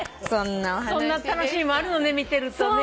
そんな楽しみもあるのね見てるとね。